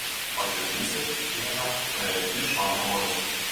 Па крэдыце тым жа, пра які шмат гавораць.